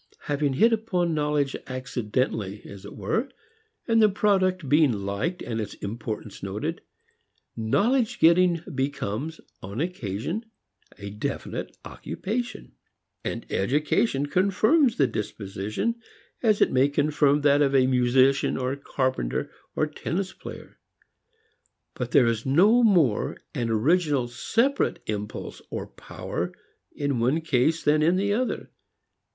Having hit upon knowledge accidentally, as it were, and the product being liked and its importance noted, knowledge getting becomes, upon occasion, a definite occupation. And education confirms the disposition, as it may confirm that of a musician or carpenter or tennis player. But there is no more an original separate impulse or power in one case than in the other.